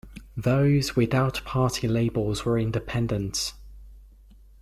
Those without party labels were independents.